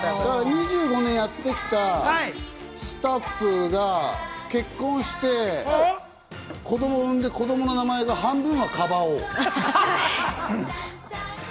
２５年やってきたスタッフが結婚して、子供を産んで、子供の名前の半分がカバお。